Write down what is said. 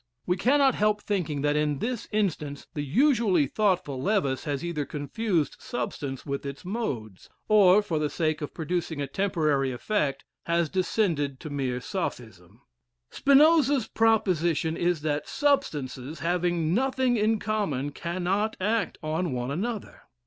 We cannot help thinking that in this instance, the usually thoughtful Lewes has either confused substance with its modes, or, for the sake of producing a temporary effect, has descended to mere sophism. Spinoza's proposition is, that substances having nothing in common, cannot act on one another.